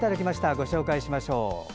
ご紹介しましょう。